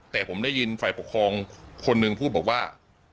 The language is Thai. แต่ผมได้ยินฝ่ายปกครองคนหนึ่งพูดบอกว่า